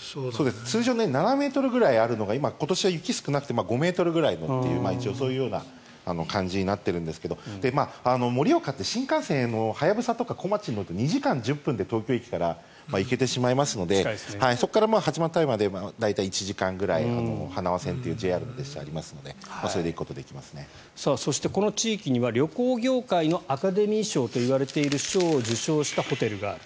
通常７ｍくらいあるのが今年は雪が少なくて５ｍぐらいのというそれぐらいになっているんですが盛岡って新幹線はやぶさとかこまちに乗ると３０分くらいで東京駅から行けてしまいますのでそこから八幡平まで大体１時間ぐらい花輪線というＪＲの列車がこの地域には旅行業界のアカデミー賞といわれている賞を受賞したホテルがある。